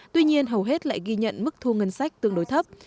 tuy nhiên hầu hết lại ghi nhận mức thu ngân sách tương đối thấp